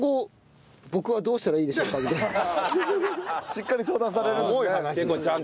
しっかり相談されるんですね。